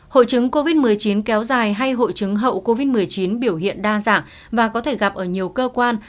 hội chứng covid một mươi chín kéo dài hay hội chứng hậu covid một mươi chín biểu hiện đa dạng và có thể gặp ở nhiều cơ quan